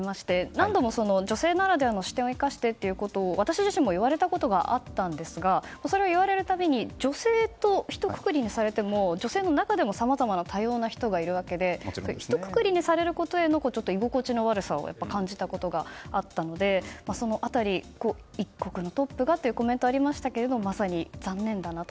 何度も女性ならではの視点を生かしてと私自身も言われたことがあったんですがそれは言われるたびに女性と、ひとくくりにされても女性の中でもさまざまな多様な人がいるわけでひとくくりにされることへの居心地の悪さを感じたことがあったのでその辺り、一国のトップがというコメントがありましたがまさに残念だなと。